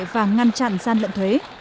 và ngăn chặn gian lận thuế